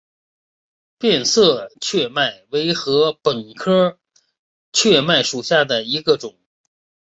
变色雀麦为禾本科雀麦属下的一个种。